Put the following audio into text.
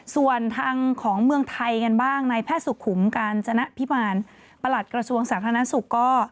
ส่วนทางของเมืองไทยกันบ้างในแพทย์สุขุมกาญจนพิมารประหลัดกระทรวงสาธารณสุขก็